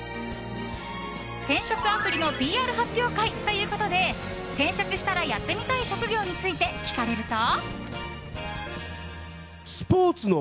転職アプリのＰＲ発表会ということで転職したらやってみたい職業について聞かれると。